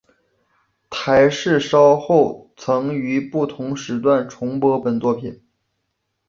台视稍后曾于不同时段重播本作品。